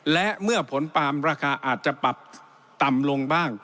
และเมื่อผลปาล์มราคาอาจจะปรับต่ำลงบ้าง